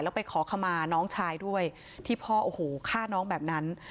แล้วไปขอขมาน้องชายด้วยที่พ่อโอ้โหฆ่าน้องแบบนั้น